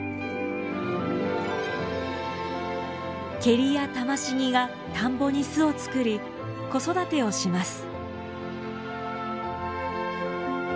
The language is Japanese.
ケリやタマシギが田んぼに巣を作り子育てをします。